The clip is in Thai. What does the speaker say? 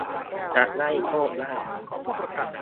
จะได้โชคลาภ